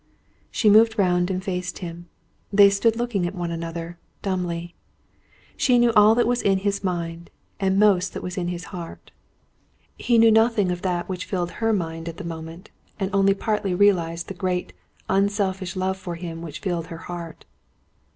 She moved round and faced him. They stood looking at one another, dumbly. She knew all that was in his mind, and most that was in his heart. He knew nothing of that which filled her mind at the moment, and only partly realised the great, unselfish love for him which filled her heart.